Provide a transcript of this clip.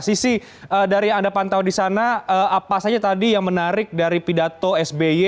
sisi dari yang anda pantau di sana apa saja tadi yang menarik dari pidato sby